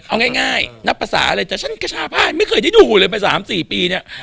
เอาง่ายนับประสาทเลยแต่ฉันกชาภาชไม่เคยได้ดูเลยไป๓๔๒ปีเนี่ย